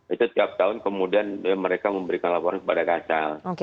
itu setiap tahun kemudian mereka memberikan laporan kepada kasal